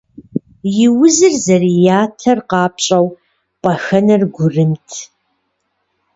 И узыр зэрыятэр къапщӏэу, пӏэхэнэр гурымт.